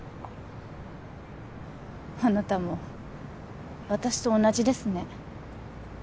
あなたも私と同じですね。